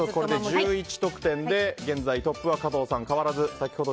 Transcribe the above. １１得点で現在、トップは加藤さん変わらず。